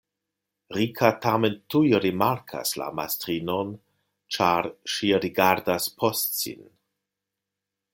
Rika tamen tuj rimarkas la mastrinon, ĉar ŝi rigardas post sin.